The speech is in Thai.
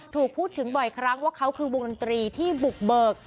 ถูกพูดถึงบ่อยครั้งว่าเขาคือวงดนตรีที่บุกเบิก